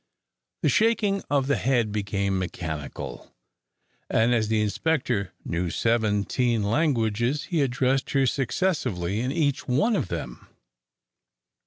The shaking of the head became mechanical, and as the inspector knew seventeen languages, he addressed her successively in each one of them.